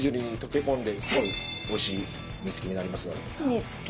煮つけ！